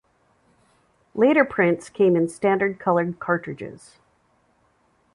Later prints came in standard-colored cartridges.